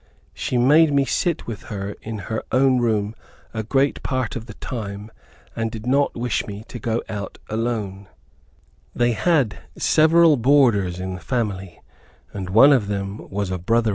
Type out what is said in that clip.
She made me sit with her in her own room a great part of the time, and did not wish me to go out alone. They had several boarders in the family, and one of them was a brother in law [Footnote: This gentleman was Mr. Z.